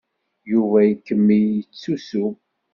Yuba ikemmel yettusu.